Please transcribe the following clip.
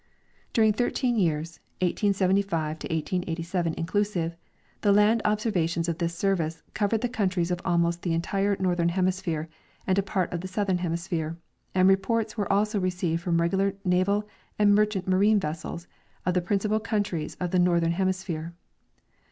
During thirteen years, 1875 to 1887 inclusive, the land obser vations of this service covered the countries of almost the entire northern hemisphere and a part of the southern hemisphere, and reports were also received from regular naval and merchant marine vessels of the principal countries of the northern hemis phere.